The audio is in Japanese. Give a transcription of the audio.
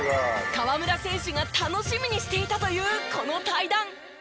河村選手が楽しみにしていたというこの対談。